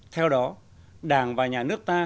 theo đó đảng và nhà nước ta